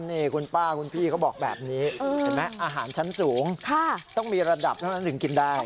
นี่คุณป้าคุณพี่เขาบอกแบบนี้เห็นไหมอาหารชั้นสูงต้องมีระดับเท่านั้นถึงกินได้